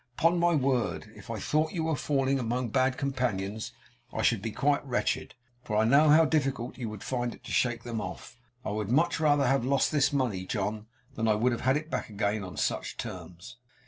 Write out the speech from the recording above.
Upon my word, if I thought you were falling among bad companions, I should be quite wretched, for I know how difficult you would find it to shake them off. I would much rather have lost this money, John, than I would have had it back again on such terms.